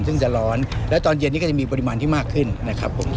ซึ่งจะร้อนแล้วตอนเย็นนี้ก็จะมีปริมาณที่มากขึ้นนะครับผม